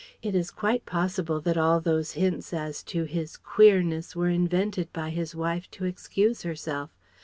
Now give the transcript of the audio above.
It is quite possible that all those hints as to his "queerness" were invented by his wife to excuse herself.